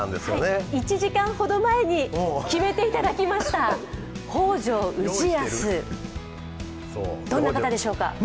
１時間ほど前に決めていただきました、北条氏康、どんな方でしょうか？